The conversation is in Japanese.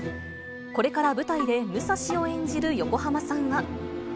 これから舞台で武蔵を演じる横浜さんは。